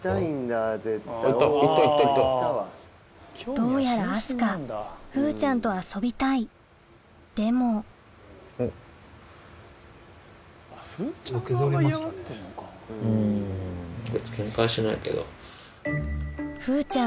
どうやら明日香風ちゃんと遊びたいでも風ちゃん